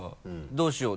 どうしよう？